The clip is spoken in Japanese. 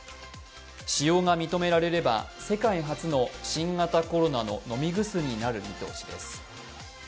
使用が認められれば、世界初の新型コロナの飲み薬になる見通しです。